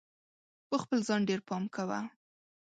په خپل ځان ډېر پام کوه!